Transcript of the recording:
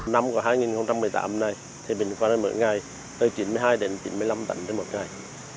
năm hai nghìn một mươi tám này mình có được một ngày từ chín mươi hai đến chín mươi năm tấn trên một ngày